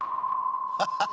ハハハハ。